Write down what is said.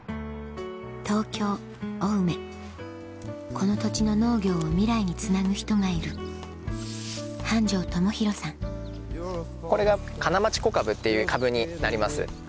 この土地の農業をミライにつなぐ人がいるこれが金町コカブっていうカブになります。